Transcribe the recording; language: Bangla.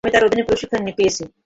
আমি তার অধীনে প্রশিক্ষণ পেয়েছি।